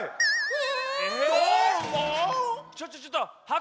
え。